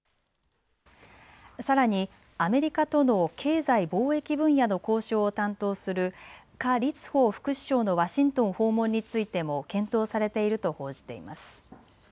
さらにアメリカとの経済・貿易分野の交渉を担当する何立峰副首相のワシントン訪問についても検討されていると報じています。